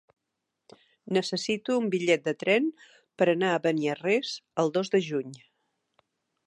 Necessito un bitllet de tren per anar a Beniarrés el dos de juny.